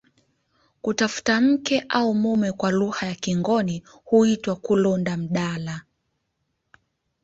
Kutafuta mke au mume kwa lugha ya kingoni huitwa kulonda mdala